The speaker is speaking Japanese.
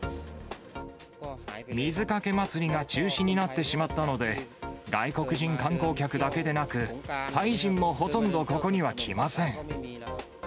水かけ祭りが中止になってしまったので、外国人観光客だけでなく、タイ人もほとんどここには来ません。